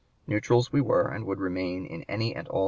Neutrals we were and would remain in any and all (p.